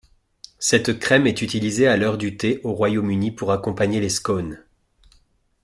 Cette crème est utilisée à l'heure du thé au Royaume-Uni pour accompagner les scones.